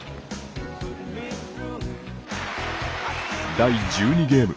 第１２ゲーム。